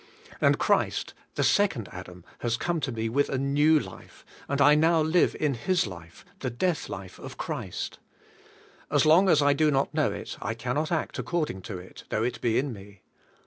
And Christ, the second Adam, has come to me with a new life, and I now live in His life, the death life of Christ. As long as I do not know it, I can not act according to it, though it be in me.